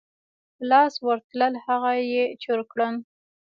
په لاس ورتلل هغه یې چور کړل.